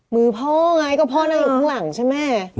มือพ่อไงก็พ่อนั่งหลังใช่ไหม